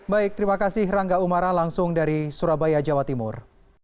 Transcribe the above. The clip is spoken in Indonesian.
baik terima kasih rangga umara langsung dari surabaya jawa timur